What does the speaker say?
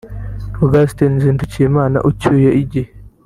Augustin Nzindukiyimana ucyuye igihe